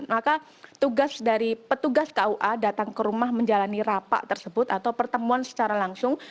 maka tugas dari petugas kua datang ke rumah menjalani rapat tersebut atau pertemuan secara langsung